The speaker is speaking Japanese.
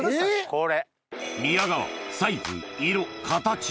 これ。